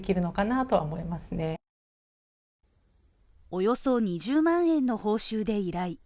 およそ２０万円の報酬で依頼。